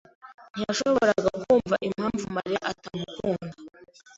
ntiyashoboraga kumva impamvu Mariya atamukunda.